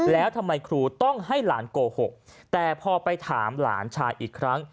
แล้วทำไมครูต้องให้หลานโกหกแต่พอไปถามหลานชายอีกครั้ง